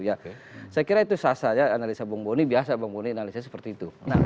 saya kira itu sasar analisa bung boni biasa bung boni analisanya seperti itu